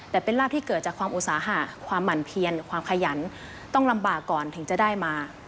แต่เป็นลาบที่เกิดจากความอุตสาหะความหมั่นเพียนความขยันต้องลำบากก่อนถึงจะได้มา